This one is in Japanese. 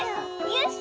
よし！